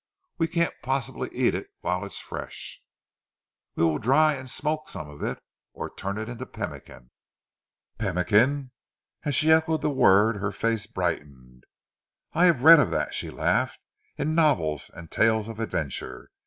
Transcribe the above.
We can't possibly eat it whilst it is fresh." "We will dry, and smoke some of it, or turn it into pemmican." "Pemmican!" As she echoed the word, her face brightened. "I have read of that," she laughed, "in novels and tales of adventure.